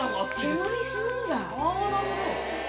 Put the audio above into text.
あぁなるほど。